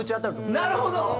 なるほど！